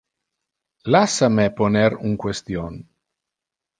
Lassa me poner un question.